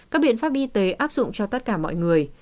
các biện pháp y tế áp dụng cho tất cả mọi người